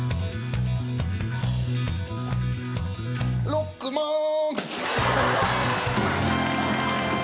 ロックマン。